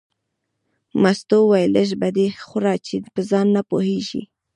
مستو وویل لږه به دې خوړه چې په ځان نه پوهېږې.